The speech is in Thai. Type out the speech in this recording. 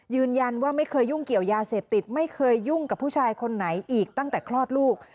ยืนยันว่าไม่เคยยุ่งเกี่ยวยาเสพติดไม่เคยยุ่งกับผู้ชายคนไหนอีกตั้งแต่คลอดลูก